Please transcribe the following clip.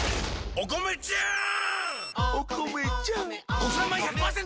お米ちゃん。